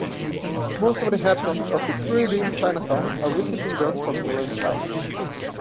Most of the inhabitants of the Cyrildene Chinatown are recent immigrants from mainland China.